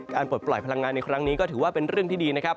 ปลดปล่อยพลังงานในครั้งนี้ก็ถือว่าเป็นเรื่องที่ดีนะครับ